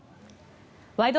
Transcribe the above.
「ワイド！